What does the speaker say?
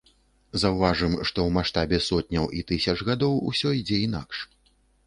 Заўважым, што ў маштабе сотняў і тысяч гадоў усё ідзе інакш.